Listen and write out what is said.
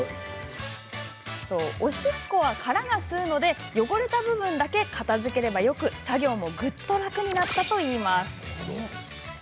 おしっこは殻が吸うので汚れた部分だけ片づければいいので作業もぐっと楽になったといいます。